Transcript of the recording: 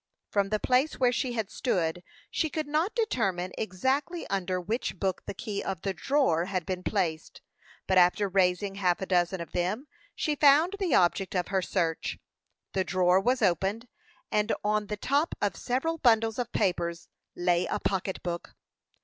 From the place where she had stood, she could not determine exactly under which book the key of the drawer had been placed; but after raising half a dozen of them, she found the object of her search. The drawer was opened, and on the top of several bundles of papers lay a pocket book.